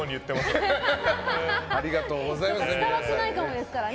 伝わってないかもですからね。